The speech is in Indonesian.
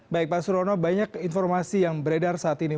baik pak surono banyak informasi yang beredar saat ini